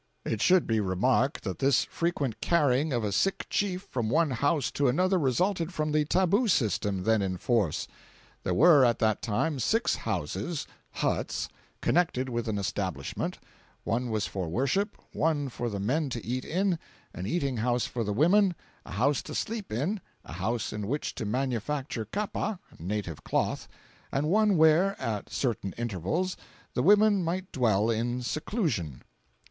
It should be remarked that this frequent carrying of a sick chief from one house to another resulted from the tabu system, then in force. There were at that time six houses (huts) connected with an establishment—one was for worship, one for the men to eat in, an eating house for the women, a house to sleep in, a house in which to manufacture kapa (native cloth) and one where, at certain intervals, the women might dwell in seclusion.